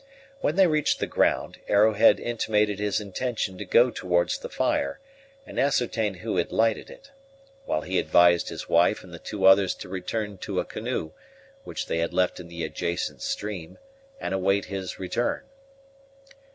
When they reached the ground, Arrowhead intimated his intention to go towards the fire, and ascertain who had lighted it; while he advised his wife and the two others to return to a canoe, which they had left in the adjacent stream, and await his return.